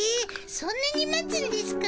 そんなに待つんですかぁ？